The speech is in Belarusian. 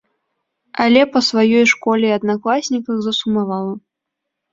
Але па сваёй школе і аднакласніках засумавала.